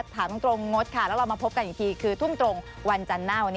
วันนี้ขอบคุณทั้ง๒ท่าน